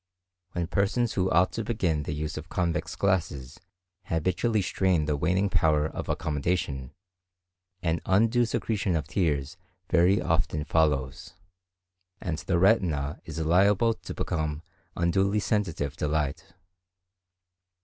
When persons who ought to begin the use of convex glasses habitually strain the waning power of accommodation, an undue secretion of tears very often follows, and the retina is liable to become unduly sensitive to light.